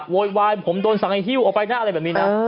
โวยวายผมโดนสั่งให้ฮิ้วออกไปนะอะไรแบบนี้นะ